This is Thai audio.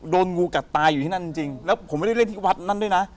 โดนงูกัดตายอยู่ที่นั่นจริงแล้วผมไม่ได้เล่นที่วัดนั้นด้วยนะ